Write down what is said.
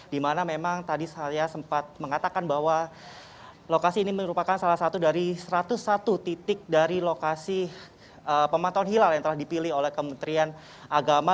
di mana memang tadi saya sempat mengatakan bahwa lokasi ini merupakan salah satu dari satu ratus satu titik dari lokasi pemantauan hilal yang telah dipilih oleh kementerian agama